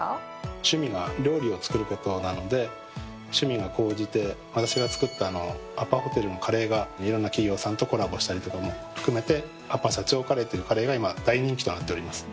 趣味が料理を作ることなので趣味が高じて私が作ったアパホテルのカレーがいろんな企業さんとコラボしたりとかも含めて「アパ社長カレー」というカレーが今大人気となっております。